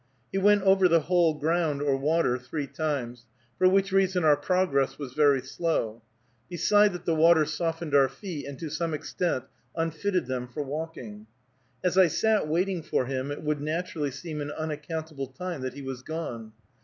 He went over the whole ground, or water, three times, for which reason our progress was very slow; beside that the water softened our feet, and to some extent unfitted them for walking. As I sat waiting for him, it would naturally seem an unaccountable time that he was gone.